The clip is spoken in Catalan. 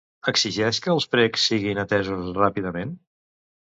Exigeix que els precs siguin atesos ràpidament?